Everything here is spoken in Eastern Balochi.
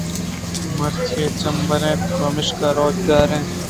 مرچی جمبر اِنت پمیشکا روچ در نئیت